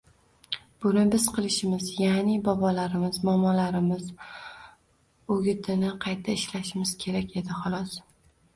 Buni biz qilishimiz, ya’ni bobolarimiz, momolarimiz o‘gitini qayta ishlashimiz kerak edi, xolos